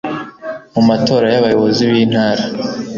Mu matora y'Abayobozi b'intara